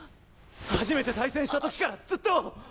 初めて対戦した時からずっと！